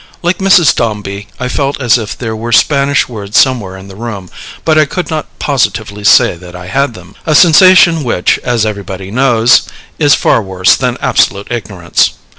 Like Mrs. Dombey, I felt as if there were Spanish words somewhere in the room, but I could not positively say that I had them, a sensation which, as everybody knows, is far worse than absolute ignorance.